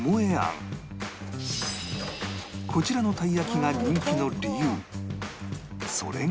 こちらのたい焼きが人気の理由それが